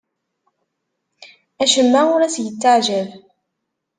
Acemma ur as-yettaɛjab.